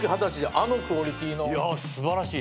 いや素晴らしいっす。